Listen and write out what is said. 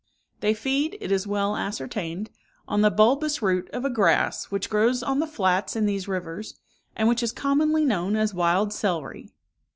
They feed, it is well ascertained, on the bulbous root of a grass which grows on the flats in these rivers, and which is commonly known as wild celery.